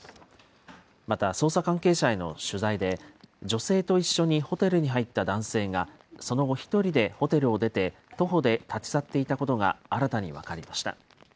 また捜査関係者への取材で、女性と一緒にホテルに入った男性が、その後、１人でホテルを出て、徒歩で立ち去っていたことが新たに分かりました。